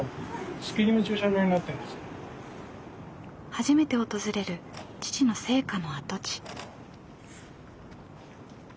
初めて訪れる父の生家の跡地。